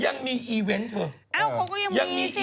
ยังมีอีเว้นท์เถอะเอ้าเขาก็ยังมีสิ